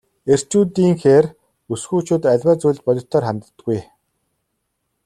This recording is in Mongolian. Эрчүүдийнхээр бүсгүйчүүд аливаа зүйлд бодитоор ханддаггүй.